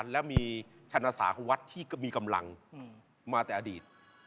และมีชนะสาของวัดที่มีกำลังมาแต่อดีต